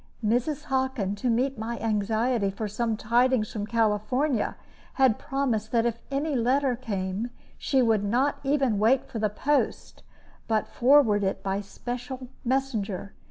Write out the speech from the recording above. Mrs. Hockin, to meet my anxiety for some tidings from California, had promised that if any letter came, she would not even wait for the post, but forward it by special messenger.